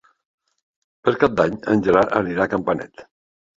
Per Cap d'Any en Gerard anirà a Campanet.